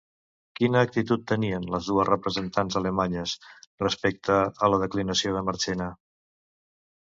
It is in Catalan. Quina actitud tenien les dues representants alemanyes, respecte a la declinació de Marchena?